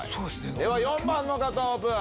では４番の方オープン！